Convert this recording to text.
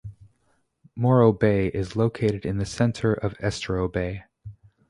Morro Bay is located in the center of Estero Bay.